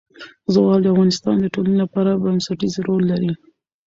زغال د افغانستان د ټولنې لپاره بنسټيز رول لري.